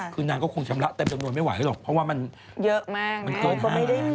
คือนางก็คงชำระเต็มจำนวนไม่ไหวหรอกเพราะว่ามันเกิด๕๐๐๐บาท